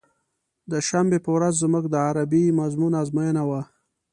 د شنبې په ورځ زموږ د عربي مضمون ازموينه وه.